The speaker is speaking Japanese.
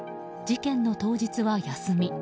事件の当日は休み。